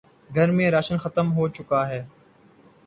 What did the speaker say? گھر میں راشن ختم ہو چکا ہے